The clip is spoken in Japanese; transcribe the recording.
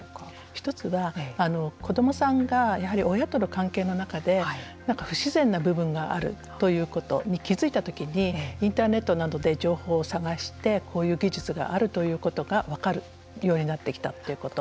１つは子どもさんが親との関係の中で何か不自然な部分があるということに気が付いたときにインターネットなどで情報を探してこういう技術があるということが分かるようになってきたということ。